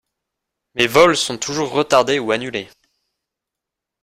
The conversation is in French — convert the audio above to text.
Mes vols sont toujours retardés ou annulés.